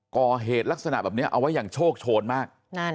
ก่อเหตุลักษณะแบบนี้เอาไว้อย่างโชคโชนมาก